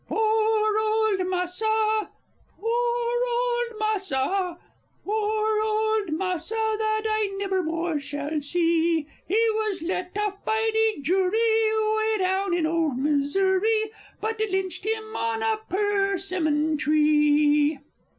_ Poor ole Massa! Poor ole Massa! (Pianissimo.) _Poor ole Massa, that I nebber more shall see! He was let off by de Jury, Way down in old Missouri But dey lynched him on a persimmon tree.